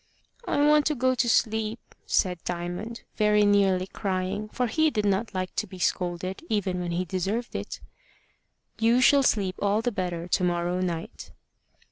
"I want to go to sleep," said Diamond, very nearly crying, for he did not like to be scolded, even when he deserved it. "You shall sleep all the better to morrow night."